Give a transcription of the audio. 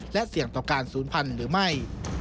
และเสี่ยงต่อการศูนย์พันธุ์หรือไม่